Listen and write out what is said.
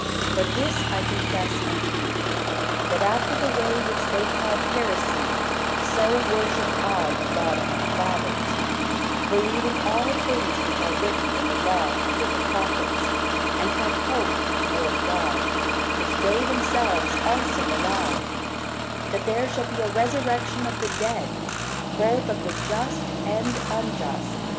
But this I confess unto thee, that after the way which they call heresy, so worship I the God of my fathers, believing all things which are written in the law and in the prophets: and have hope toward God, which they themselves also allow, that there shall be a resurrection of the dead, both of the just and unjust.